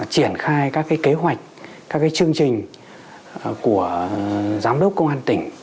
triển khai các kế hoạch các chương trình của giám đốc công an tỉnh